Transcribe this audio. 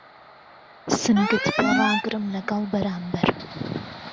سنگت بۆ ڕاگرم لهگەڵ بەرامبەر